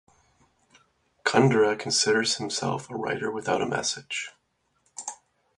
Kundera considers himself a writer without a message.